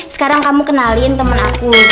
sekarang kamu kenalin temen aku